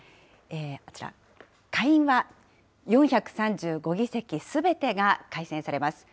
こちら、下院は４３５議席すべてが改選されます。